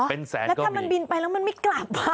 เป็นแสนแล้วถ้ามันบินไปแล้วมันไม่กลับ